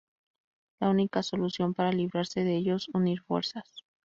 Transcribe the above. La única solución para librarse de ellos... unir fuerzas.